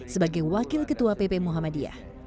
sebagai wakil ketua pp muhammadiyah